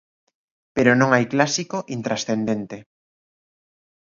Pero non hai clásico intranscendente.